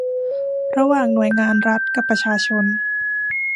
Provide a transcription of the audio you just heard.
ระหว่างหน่วยงานรัฐกับประชาชน